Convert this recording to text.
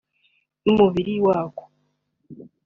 n’umubiri wako